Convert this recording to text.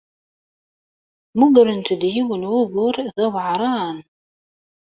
Mmugrent-d yiwen n wugur d aweɛṛan.